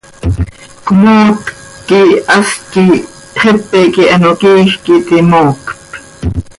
Cmootc quih hast quih xepe quih ano quiij quij iti moocp.